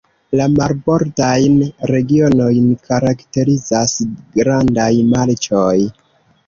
La marbordajn regionojn karakterizas grandaj marĉoj.